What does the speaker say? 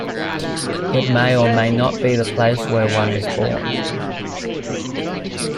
It may or may not be the place where one is born.